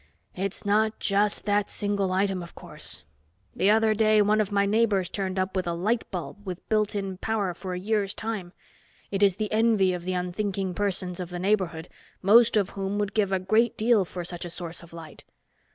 "It's not just that single item, of course. The other day one of my neighbors turned up with a light bulb with built in power for a year's time. It is the envy of the unthinking persons of the neighborhood most of whom would give a great deal for such a source of light.